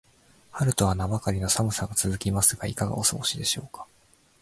春とは名ばかりの寒さが続きますが、いかがお過ごしでしょうか。